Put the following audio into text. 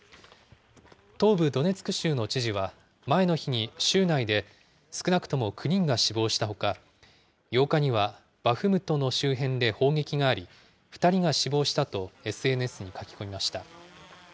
東部ドネツク州の知事は、前の日に州内で少なくとも９人が死亡したほか、８日にはバフムトの周辺で砲撃があり、２人が死亡したとＳＮＳに書き込みました。